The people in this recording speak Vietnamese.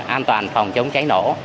an toàn phòng chống cháy nổ